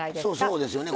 そうですよね。